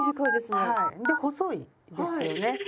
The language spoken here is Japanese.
はいで細いですよね。